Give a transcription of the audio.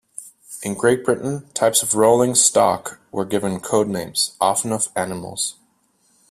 In Great Britain, types of rolling stock were given code names, often of animals.